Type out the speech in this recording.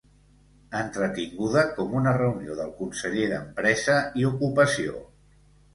Entretinguda com una reunió del conseller d'Empresa i Ocupació.